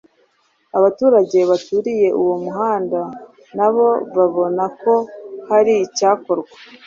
Abaturage baturiye uwo muhanda nabo babona ko hari icyakorwa